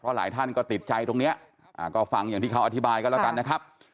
หลายท่านก็ติดใจตรงนี้ก็ฟังอย่างที่เขาอธิบายกันแล้วกันนะครับ